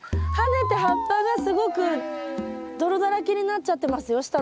跳ねて葉っぱがすごく泥だらけになっちゃってますよ。